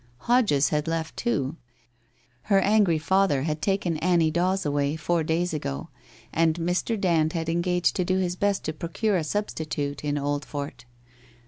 Hodges had left too. Her angry father had taken Annie Dawes away, four days ago, and Mr. Dand had engaged to do his best to procure a substitute in Oldfort.